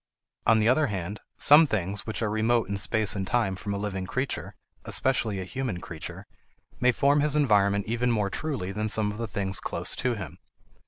On the other hand, some things which are remote in space and time from a living creature, especially a human creature, may form his environment even more truly than some of the things close to him.